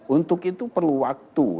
untuk itu perlu waktu